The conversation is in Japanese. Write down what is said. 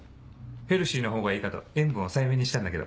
ヘルシーなほうがいいかと塩分抑えめにしたんだけど。